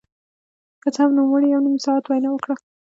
که څه هم نوموړي يو نيم ساعت وينا وکړه.